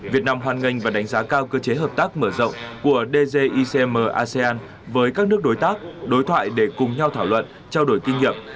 việt nam hoàn ngành và đánh giá cao cơ chế hợp tác mở rộng của dgicm asean với các nước đối tác đối thoại để cùng nhau thảo luận trao đổi kinh nghiệm